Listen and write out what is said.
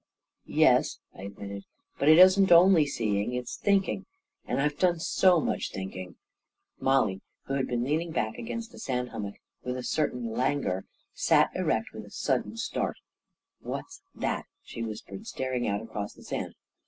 "Yes," I admitted; "but it isn't only seeing — it's thinking; and I've done so much thinking ..." Mollie, who has been leaning back against a sand hummock with a certain langor, sat erect with a sudden start. " What's that ?" she whispered, staring out across the sand.